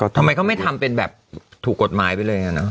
ทำไมเขาไม่ทำเป็นแบบถูกกฎหมายไปเลย